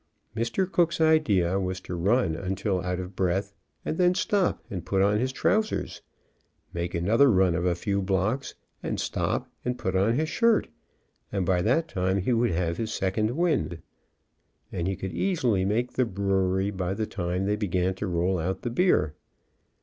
Mr. Cook's idea was to run until out of breath and then stop and put on his trousers, make another run of a few blocks, and stop and put on his shirt, and by that time he would have his sec ond wind, and he could easily make the brewery by the time they began to roll out the beer.